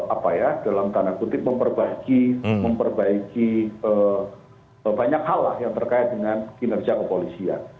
apa ya dalam tanda kutip memperbaiki banyak hal lah yang terkait dengan kinerja kepolisian